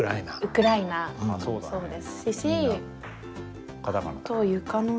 ウクライナもそうですし。